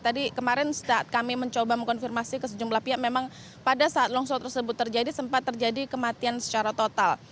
tadi kemarin saat kami mencoba mengkonfirmasi ke sejumlah pihak memang pada saat longsor tersebut terjadi sempat terjadi kematian secara total